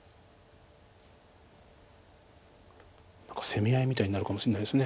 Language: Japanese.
攻め合いみたいになるかもしれないです。